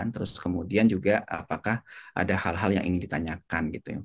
terus kemudian juga apakah ada hal hal yang ingin ditanyakan gitu ya